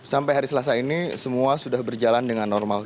sampai hari selasa ini semua sudah berjalan dengan normal